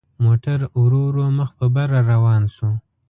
موټر ورو ورو مخ په بره روان شو.